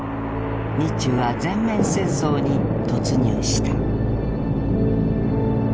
日中は全面戦争に突入した。